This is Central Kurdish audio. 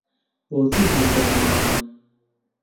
بۆچی هێندە مناڵن؟